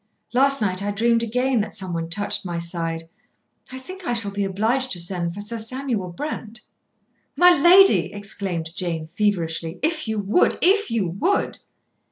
Last night I dreamed again that someone touched my side. I think I shall be obliged to send for Sir Samuel Brent." "My lady," exclaimed Jane feverishly, "if you would if you would."